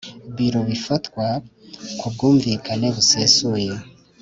Biro bifatwa ku bwumvikane busesuye